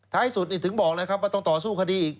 ท้ายสุดนี่ถึงบอกนะครับว่าต้องต่อสู้คดีอีก